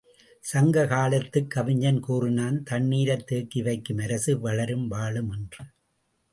சங்க காலத்துக் கவிஞன் கூறினான் தண்ணீரைத் தேக்கி வைக்கும் அரசு வளரும், வாழும் என்று!